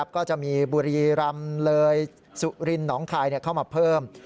ก็จะมีบุรีรำเลยสุรินหนองคายเข้ามาเพิ่ม